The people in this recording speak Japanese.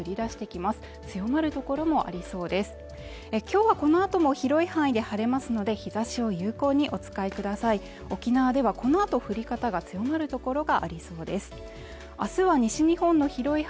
きょうはこのあとも広い範囲で晴れますので日差しを有効にお使いください